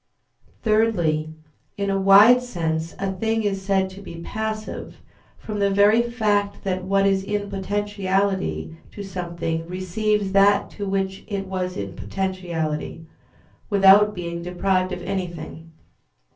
Thirdly, in a wide sense a thing is said to be passive, from the very fact that what is in potentiality to something receives that to which it was in potentiality, without being deprived of anything.